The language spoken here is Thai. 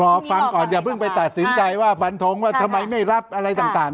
รอฟังก่อนอย่าเพิ่งไปตัดสินใจว่าฟันทงว่าทำไมไม่รับอะไรต่าง